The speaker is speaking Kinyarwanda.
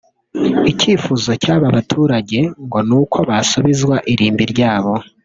Ikifuzo cy’aba baturage ngo ni uko basubizwa irimbi ryabo